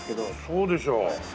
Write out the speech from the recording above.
そうでしょう。